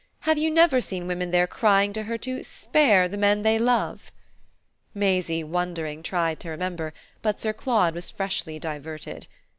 Have you never seen women there crying to her to 'spare' the men they love?" Maisie, wondering, tried to remember; but Sir Claude was freshly diverted.